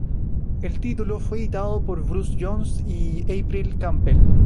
El título fue editado por Bruce Jones y April Campbell.